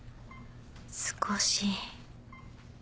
少し。